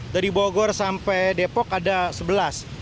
dari bogor sampai depok ada sebelas